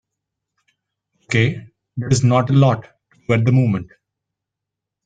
Okay, there is not a lot to do at the moment.